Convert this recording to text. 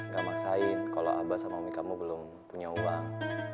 gak maksain kalau abah sama omik kamu belum punya uang